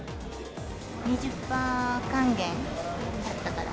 ２０パー還元だったから。